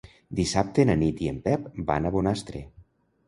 Dissabte na Nit i en Pep van a Bonastre.